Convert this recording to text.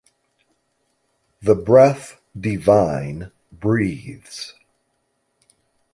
The Breath Divine breathes.